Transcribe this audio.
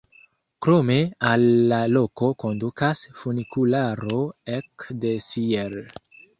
Krome al la loko kondukas funikularo ek de Sierre.